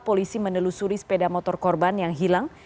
polisi menelusuri sepeda motor korban yang hilang